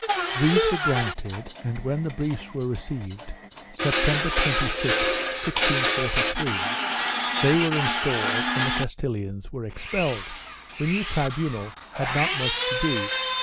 These were granted and, when the briefs were received, September 26, 1643, they were installed and the Castilians were expelled. The new tribunal had not much to do.